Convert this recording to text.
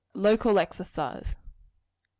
Local Exercise.